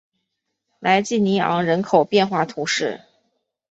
莱济尼昂人口变化图示